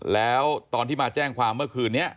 แล้วตอนที่มาแจ้งความเมื่อคืนนี้